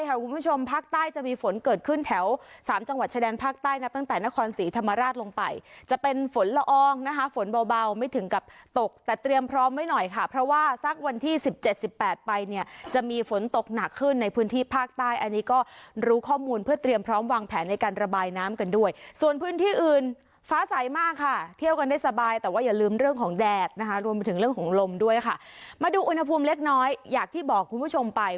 ยกซ้ายยกซ้ายยกซ้ายยกซ้ายยกซ้ายยกซ้ายยกซ้ายยกซ้ายยกซ้ายยกซ้ายยกซ้ายยกซ้ายยกซ้ายยกซ้ายยกซ้ายยกซ้ายยกซ้ายยกซ้ายยกซ้ายยกซ้ายยกซ้ายยกซ้ายยกซ้ายยกซ้ายยกซ้ายยกซ้ายยกซ้ายยกซ้ายยกซ้ายยกซ้ายยกซ้ายยกซ้ายยกซ้ายยกซ้ายยกซ้ายยกซ้ายยกซ้าย